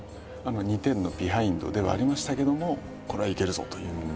２点のビハインドではありましたけどもこれはいけるぞという。